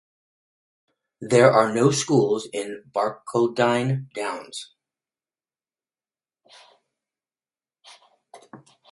There are no schools in Barcaldine Downs.